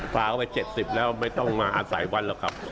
พาเขาไป๗๐แล้วไม่ต้องมาอาศัยวันหรอกครับ